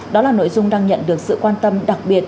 đó là nội dung đang nhận được sự quan tâm đặc biệt